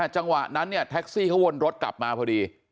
จังหวะนั้นเนี่ยแท็กซี่เขาวนรถกลับมาพอดี